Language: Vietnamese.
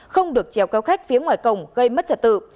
không được trèo kéo khách phía ngoài cổng gây mất trả tự